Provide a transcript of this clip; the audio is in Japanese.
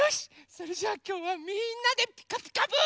それじゃあきょうはみんなで「ピカピカブ！」。